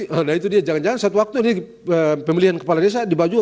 nah itu dia jangan jangan suatu waktu nih pemilihan kepala desa dibaju